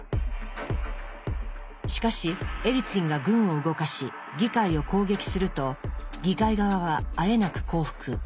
しかしエリツィンが軍を動かし議会を攻撃すると議会側はあえなく降伏。